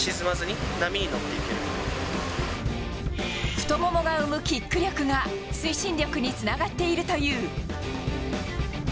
太ももが生むキック力が推進力につながっているという。